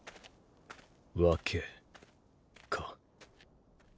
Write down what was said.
訳か。